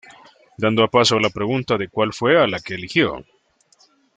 Dando paso a la pregunta de cuál fue a la que eligió.